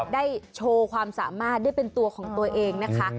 โชว์ความสามารถได้เป็นตัวของตัวเองนะคะ